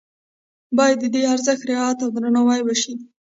باید د دې ارزښت رعایت او درناوی وشي.